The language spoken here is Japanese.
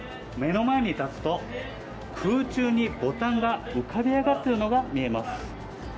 目の前に立つと、空中にボタンが浮かび上がっているのが見えます。